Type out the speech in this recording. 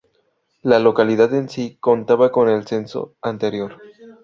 La localidad en sí, contaba con en el censo anterior.